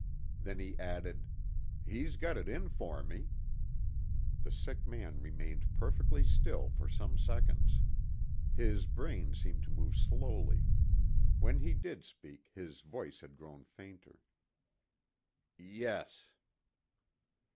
Then he added: "He's got it in for me." The sick man remained perfectly still for some seconds. His brain seemed to move slowly. When he did speak, his voice had grown fainter. "Yes."